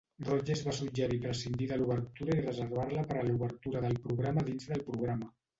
Rodgers va suggerir prescindir de l'obertura i reservar-la per a l'obertura del programa dins del programa.